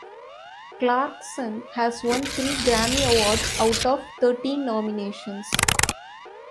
Clarkson has won three Grammy Awards out of thirteen nominations.